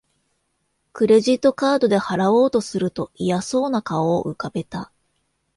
クレジットカードで払おうとすると嫌そうな顔を浮かべた